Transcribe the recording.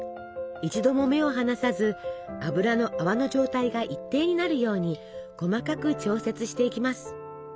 一度も目を離さず油の泡の状態が一定になるように細かく調節していきます。